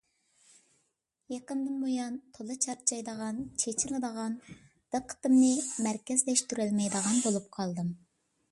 يېقىندىن بۇيان تولا چارچايدىغان، چېچىلىدىغان، دىققىتىمنى مەركەزلەشتۈرەلمەيدىغان بولۇپ قالدىم.